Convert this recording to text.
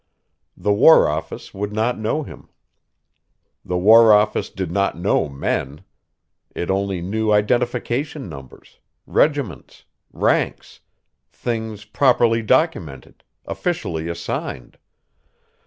The War Office would not know him. The War Office did not know men. It only knew identification numbers, regiments, ranks, things properly documented, officially assigned.